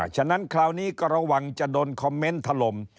ฉะนั้นคราวนี้ก็ระวังจะโดนคอมเมนต์ถล่ม